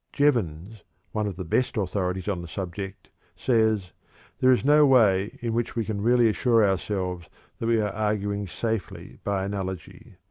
Jevons, one of the best authorities on the subject, says: "There is no way in which we can really assure ourselves that we are arguing safely by analogy.